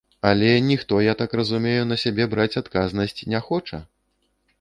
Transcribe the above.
Але ніхто, я так разумею, на сябе браць адказнасць не хоча?